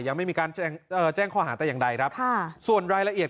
ยังไม่มีการแจ้งคอหาได้อย่างใดครับส่วนรายละเอียด